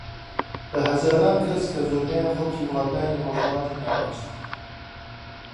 بە هەزاران کەس کە زۆربەیان خەڵکی وڵاتانی ڕۆژهەلاتی ناوەڕاستن